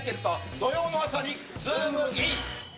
土曜の朝にズームイン！！